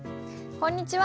こんにちは。